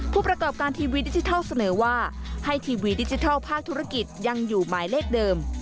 ผู้ประกอบการทีวีดิจิทัลเสนอว่าให้ทีวีดิจิทัลภาคธุรกิจยังอยู่หมายเลขเดิม